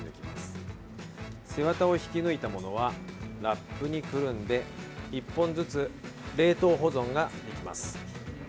背ワタを引き抜いたものはラップにくるんで１本ずつ冷凍保存ができます。